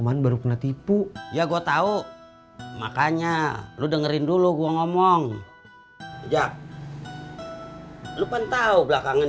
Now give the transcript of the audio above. man baru kena tipu ya gue tahu makanya lo dengerin dulu gua ngomong ya lupa belakangan